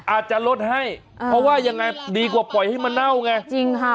อาจจะลดให้เพราะว่ายังไงดีกว่าปล่อยให้มันเน่าไงจริงค่ะ